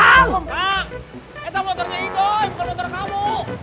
pak itu motornya ido bukan motor kamu